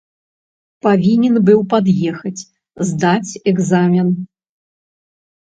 Павінен быў пад'ехаць, здаць экзамен.